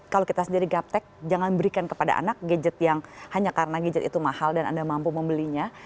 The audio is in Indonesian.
kalau kita sendiri gaptec jangan berikan kepada anak gadget yang hanya karena gadget itu mahal dan anda mampu membelinya